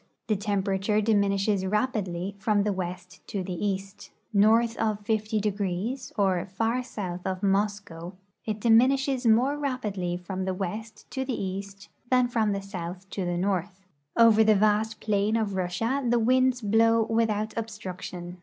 The tem])erature diminishes rapidly from the west to the east. North of 50°, or far south of Moscow, it diminishes more rapidly from the west to the east than from the south to the north. Over the vast plain of Russia the winds blow without obstruc tion.